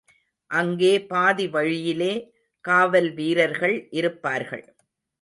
அங்கே பாதி வழியிலே காவல்வீரர்கள் இருப்பார்கள்.